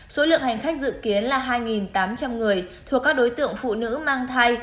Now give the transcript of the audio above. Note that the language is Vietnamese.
số lượng hành khách dự kiến là hai tám trăm linh người thuộc các đối tượng phụ nữ mang thai